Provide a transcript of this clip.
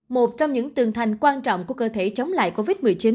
một trong những tương thanh quan trọng của cơ thể chống lại covid một mươi chín